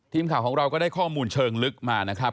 ทีมข่าวของเราก็ได้ข้อมูลเชิงลึกมานะครับ